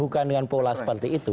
bukan dengan pola seperti itu